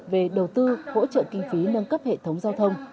về đầu tư hỗ trợ kinh phí nâng cấp hệ thống giao thông